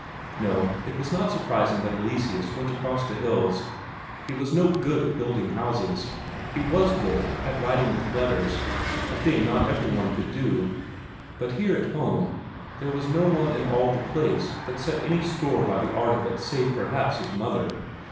No, it was not surprising that Eleseus went across the hills. He was no good at building houses; he was good at writing with letters, a thing not every one could do, but here at home there was no one in all the place that set any store by the art of it save perhaps his mother.